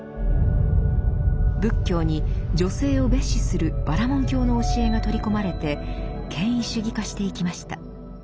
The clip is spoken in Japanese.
仏教に女性を蔑視するバラモン教の教えが取り込まれて権威主義化していきました。